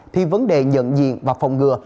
thì vấn đề nhận diện và phòng ngừa